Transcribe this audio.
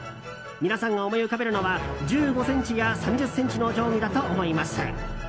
皆さんが思い浮かべるのは１５ｃｍや３０ｃｍの定規だと思います。